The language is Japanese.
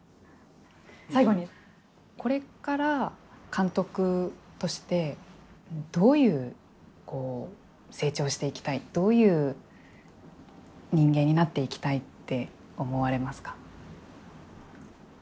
最後にこれから監督としてどういう成長をしていきたいどういう人間になっていきたいって思われますか。